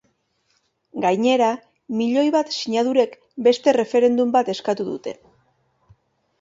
Gainera, milioi bat sinadurek beste referendum bat eskatu dute.